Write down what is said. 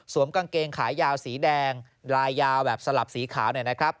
สวมกางเกงขายาวสีแดงลายยาวแบบสลับสีขาว